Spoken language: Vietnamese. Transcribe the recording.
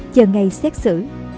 chờ ngày xét xử